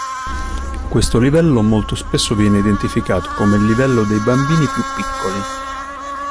Questo livello molto spesso viene identificato come il livello dei bambini più piccoli.